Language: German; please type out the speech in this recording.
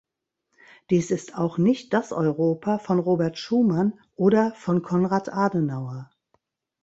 Dies ist auch nicht das Europa von Robert Schuman oder von Konrad Adenauer.